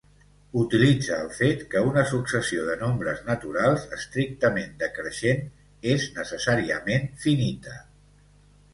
Utilitza el fet que una successió de nombres naturals estrictament decreixent és necessàriament finita.